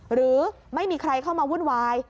หรือไม่มีใครเข้ามาวุ่นวาย